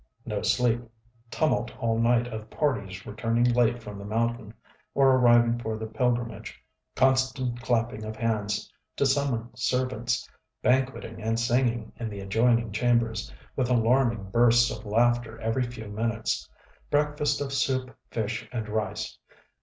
_ No sleep; tumult all night of parties returning late from the mountain, or arriving for the pilgrimage; constant clapping of hands to summon servants; banqueting and singing in the adjoining chambers, with alarming bursts of laughter every few minutes.... Breakfast of soup, fish, and rice.